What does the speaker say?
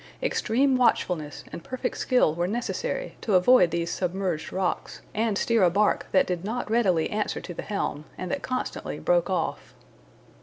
Extreme watchfulness and perfect skill were necessary to avoid these submerged rocks, and steer a bark that did not readily answer to the helm, and that constantly broke off.